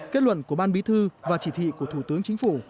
kết luận của ban bí thư và chỉ thị của thủ tướng chính phủ